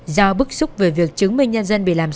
do bức xúc về việc chứng minh nhân dân bị làm giả